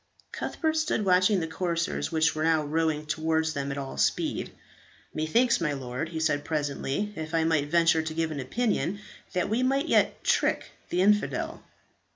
Cuthbert stood watching the corsairs, which were now rowing towards them at all speed. "Methinks, my lord," he said, presently, "if I might venture to give an opinion, that we might yet trick the infidel."